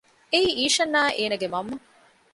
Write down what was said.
އެއީ އީޝަންއާއި އޭނަގެ މަންމަ